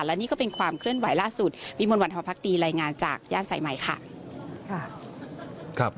และนี่ก็เป็นความเคลื่อนไหวล่าสุดวิมวลวันธรรมพักดีรายงานจากย่านสายใหม่ค่ะ